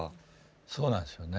そうなんですよね。